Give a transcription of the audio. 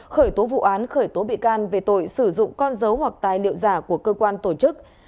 khởi tố vụ án khởi tố bị can về tội sử dụng con dấu hoặc tài liệu giả của cơ quan tổ chức